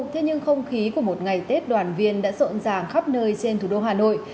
thế nhưng không khí của một ngày tết đoàn viên đã rộn ràng khắp nơi trên thủ đô hà nội